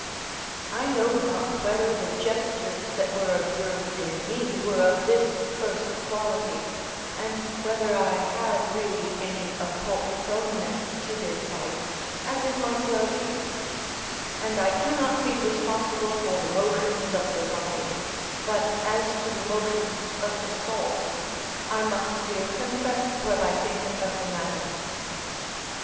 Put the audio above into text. I know not whether the gestures that were observed in me were of this first quality, and whether I had really any occult proneness to this vice, as it might well be; and I cannot be responsible for the motions of the body; but as to the motions of the soul, I must here confess what I think of the matter.